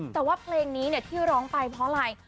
แต่ว่าเพลงนี้ที่ร้องไปเพราะอะไร